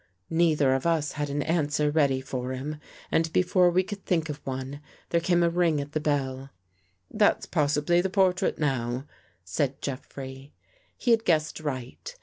" Neither of us had an answer ready for him, and befo'*e we could think of one, there came a ring at the bell. " That's probably the portrait now," said Jeffrey. He had guessed right.